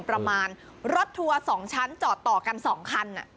ประมาณรถทัวร์๒ชั้นจอดต่อกัน๒คัน